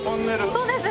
そうです。